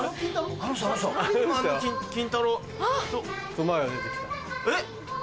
クマが出てきた。